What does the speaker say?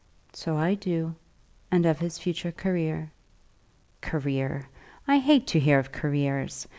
"So I do; and of his future career." "Career! I hate to hear of careers.